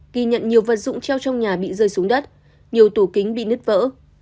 ghi nhận nhiều vật dụng treo trong nhà bị rơi xuống đất nhiều tủ kính bị nứt vỡ